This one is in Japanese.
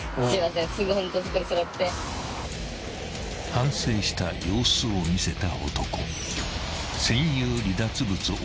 ［反省した様子を見せた男］